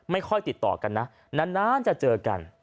ไม่ค่อยติดต่อกันนะนานจะเจอกัน